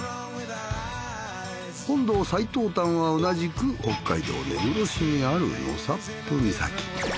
本土最東端は同じく北海道根室市にある納沙布岬。